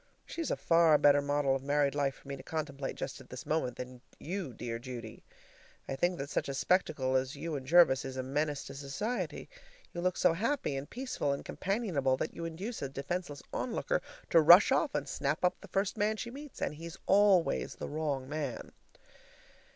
She's a far better model of married life for me to contemplate just this moment than you, dear Judy. I think that such a spectacle as you and Jervis is a menace to society. You look so happy and peaceful and companionable that you induce a defenseless onlooker to rush off and snap up the first man she meets and he's always the wrong man.